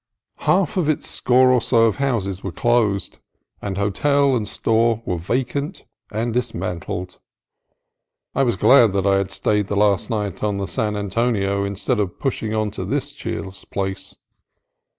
Half of its score or so of houses were closed, and hotel and store were vacant and dismantled. I was glad that I had stayed the last night on the San Antonio instead of pushing on to this cheerless place.